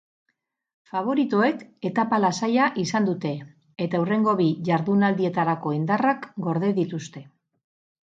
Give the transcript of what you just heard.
Faboritoek etapa lasaia izan dute, eta hurrengo bi jardunaldietarako indarrak gorde dituzte.